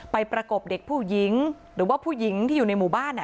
ประกบเด็กผู้หญิงหรือว่าผู้หญิงที่อยู่ในหมู่บ้าน